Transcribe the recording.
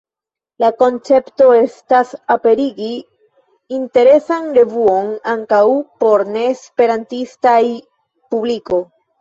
La koncepto estas aperigi interesan revuon ankaŭ por ne-esperantista publiko.